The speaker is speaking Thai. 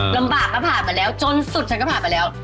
ระบาดก็ผ่านไปแล้วจนสุดก็ผ่านไปแล้ว